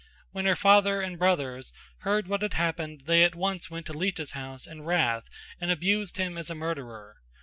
When her father and brothers heard what had happened they at once went to Lita's house in wrath and abused him as a murderer.